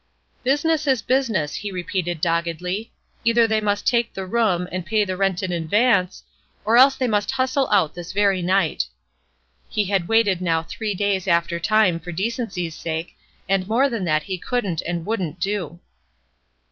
"Business is business" he repeated, doggedly. "Either they must take the room, and pay the rent in advance, or else they must hustle out this very night." He had waited now three days after time for decency's sake, and more than that he couldn't and wouldn't do.